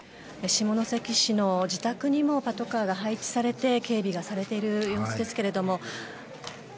下関市の自宅にもパトカーが配置されて警備がされている様子です。